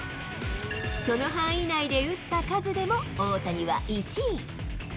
その範囲内で打った数でも大谷は１位。